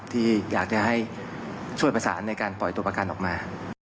ที่อยากจะให้ช่วยประสานในการปล่อยตัวประกันออกมา